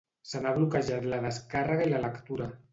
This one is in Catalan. Se n'ha bloquejat la descàrrega i la lectura.